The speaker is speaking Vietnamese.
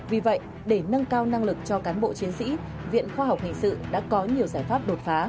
vì vậy để nâng cao năng lực cho cán bộ chiến sĩ viện khoa học hình sự đã có nhiều giải pháp đột phá